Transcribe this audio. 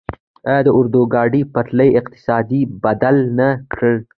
آیا د اورګاډي پټلۍ اقتصاد بدل نه کړ؟